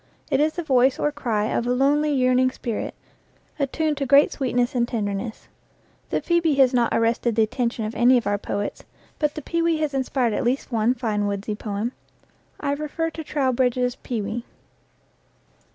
It is the voice or cry of a lonely, yearning spirit, attuned to great sweetness and tenderness. The phcebe has not arrested the atten tion of any of our poets, but the pewee has inspired 60 EACH AFTER ITS KIND at least one fine woodsy poem. I refer to Trow bridge's "Pewee."